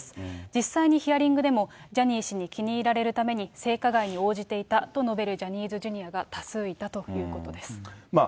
実際にヒアリングでも、ジャニー氏に気に入られるために性加害に応じていたと述べるジャニーズＪｒ．が多数いたということです。